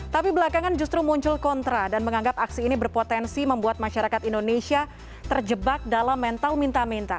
tapi belakangan justru muncul kontra dan menganggap aksi ini berpotensi membuat masyarakat indonesia terjebak dalam mental minta minta